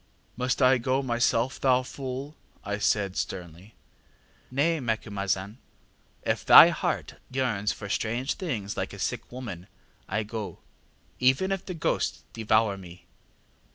ŌĆ£ŌĆśMust I go myself, thou fool? ŌĆÖ I said, sternly. ŌĆ£ŌĆśNay, Macumazahn, if thy heart yearns for strange things like a sick woman, I go, even if the ghosts devour me.